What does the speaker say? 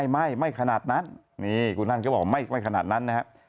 ไม่ขนาดนั้นนี่คุณนั่นก็บอกไม่ขนาดนั้นนะครับ